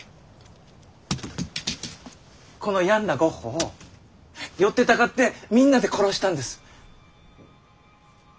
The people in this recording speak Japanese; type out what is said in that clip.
この病んだゴッホを寄ってたかってみんなで殺したんです。